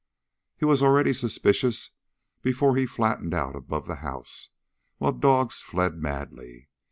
He was already suspicious before he flattened out above the house, while dogs fled madly.